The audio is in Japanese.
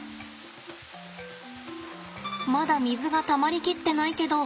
まだ水がたまり切ってないけど。